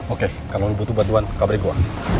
oke kalau lo butuh bantuan kabri gua